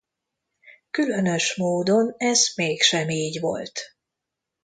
Különös módon ez mégsem így volt.